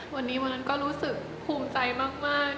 วันนี้วันนั้นก็รู้สึกภูมิใจมาก